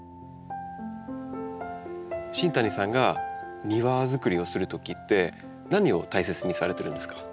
新谷さんが庭づくりをするときって何を大切にされてるんですか？